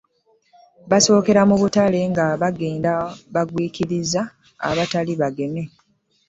Baasookera mu butale nga bagenda bagwikiriza abatali bageme.